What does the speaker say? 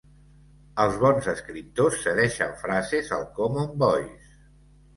Els bons escriptors cedeixen frases al Common Voice.